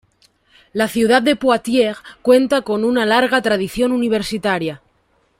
La ciudad de Poitiers cuenta con una larga tradición universitaria.